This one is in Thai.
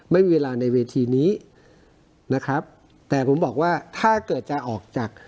ไม่มีเวลาในเวทีนี้นะครับแต่ผมบอกว่าถ้าเกิดจะออกจาก